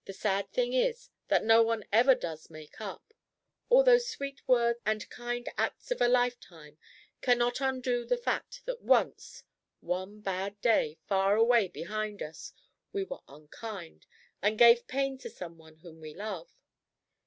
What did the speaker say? The sad thing is, that no one ever does make up. All the sweet words and kind acts of a lifetime cannot undo the fact that once one bad day far away behind us we were unkind and gave pain to some one whom we love.